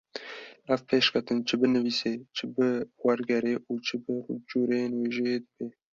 ev pêşketin çi bi nivîsê, çi bi wergerê û çi bi cûreyên wêjeyê dibe.